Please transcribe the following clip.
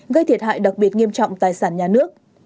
gây thiệt hại đặc biệt nghiêm trọng tài sản nhà nước